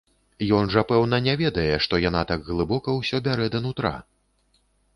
Ён жа, пэўна, не ведае, што яна так глыбока ўсё бярэ да нутра?